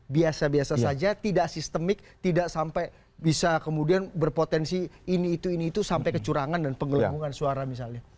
biasa biasa saja tidak sistemik tidak sampai bisa kemudian berpotensi ini itu ini itu sampai kecurangan dan penggelembungan suara misalnya